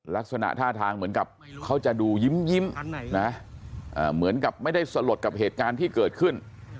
ลักษณะท่าทางเหมือนกับเขาจะดูยิ้มนะเหมือนกับไม่ได้สลดกับเหตุการณ์ที่เกิดขึ้น